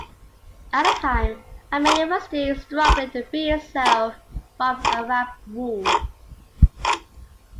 At the time, Armenia was still struggling to free itself from Arab rule.